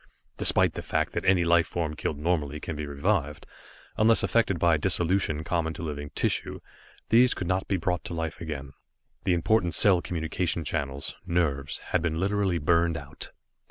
Despite the fact that any life form killed normally can be revived, unless affected by dissolution common to living tissue, these could not be brought to life again. The important cell communication channels nerves had been literally burned out.